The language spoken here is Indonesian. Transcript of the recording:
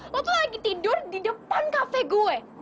lo tuh lagi tidur di depan kafe gue